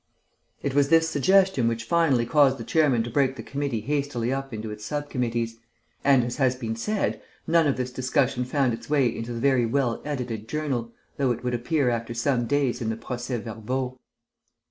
It was this suggestion which finally caused the chairman to break the committee hastily up into its sub committees. And, as has been said, none of this discussion found its way into the very well edited Journal, though it would appear after some days in the procès verbaux.